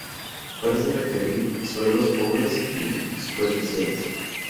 Parece requerir suelos pobres y superficiales.